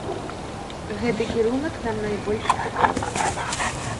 Гэты кірунак нам найбольш цікавы.